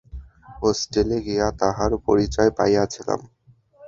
হস্টেলে গিয়া তাহার পরিচয় পাইয়াছিলাম।